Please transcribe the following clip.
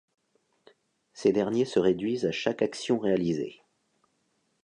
Ces derniers se réduisent à chaque action réalisée.